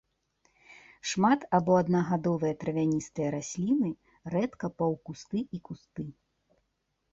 Шмат- або аднагадовыя травяністыя расліны, рэдка паўкусты і кусты.